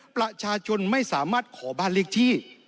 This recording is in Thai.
ประชาชนไม่สามารถขอบ้านเลขที่